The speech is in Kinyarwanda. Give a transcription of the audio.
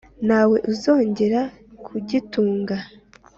Nta we uzongera kugitunga: